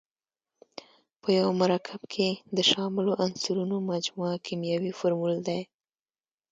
په یوه مرکب کې د شاملو عنصرونو مجموعه کیمیاوي فورمول دی.